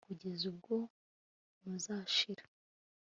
kugeza ubwo muzashira